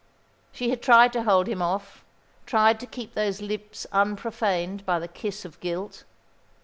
She had tried to hold him off tried to keep those lips unprofaned by the kiss of guilt.